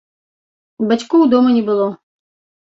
Бацькоў дома не было.